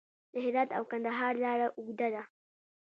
د هرات او کندهار لاره اوږده ده